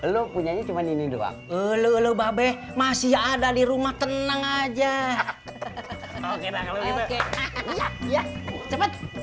lu punya cuma ini doang dulu babek masih ada di rumah tenang aja oke oke